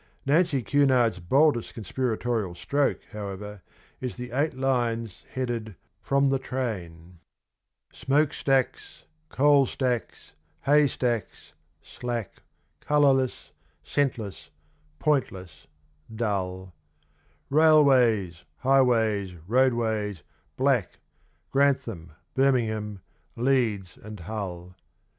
Nancy Cunard's 112 boldest conspiratorial stroke, however, is the eight lines headed ' From the Train ;: Smoke stacks, coal stacks, hay stacks, slack, Colourless, scentless, pointless, dull ; Railways, highways, roadways, black, Grantham, Birmingham, Leeds and Hull.